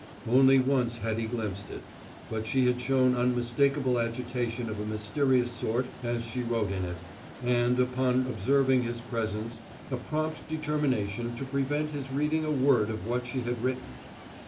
Only once had he glimpsed it, but she had shown unmistakable agitation of a mysterious sort as she wrote in it, and, upon observing his presence, a prompt determination to prevent his reading a word of what she had written.